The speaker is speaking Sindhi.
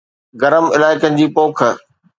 گرم علائقن جي پوک